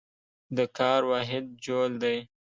د کار واحد جول دی.